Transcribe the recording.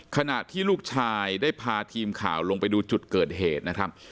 ขณะที่ลูกชายได้พาทีมข่าวลงไปดูจุดเกิดเหตุนะครับ